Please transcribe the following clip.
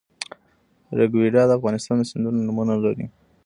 ریګویډا د افغانستان د سیندونو نومونه لري